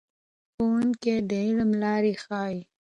ښوونکي د علم لارې ښیي.